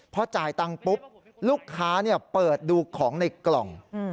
พอจ่ายตังค์ปุ๊บลูกค้าเปิดดูของในกล่อง